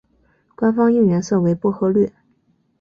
官方应援色为薄荷绿。